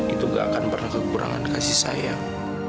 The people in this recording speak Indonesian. itu gak akan pernah kekurangan kasih sayang